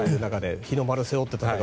日の丸を背負って戦う。